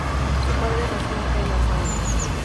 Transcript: Su padre nació en Albania.